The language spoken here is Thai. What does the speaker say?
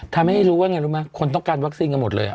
ทำให้รู้ว่าไงรู้ไหมคนต้องการวัคซีนกันหมดเลย